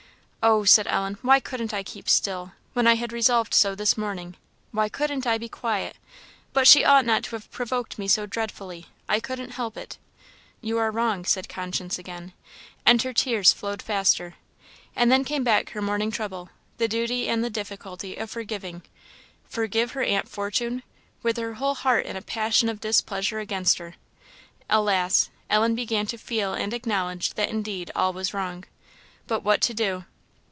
"Oh!" said Ellen, "why couldn't I keep still? when I had resolved so this morning why couldn't I be quiet? But she ought not to have provoked me so dreadfully I couldn't help it." "You are wrong," said conscience again, and her tears flowed faster. And then came back her morning trouble the duty and the difficulty of forgiving. Forgive her aunt Fortune! with her whole heart in a passion of displeasure against her. Alas! Ellen began to feel and acknowledge that indeed all was wrong. But what to do?